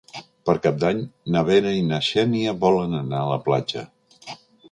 Per Cap d'Any na Vera i na Xènia volen anar a la platja.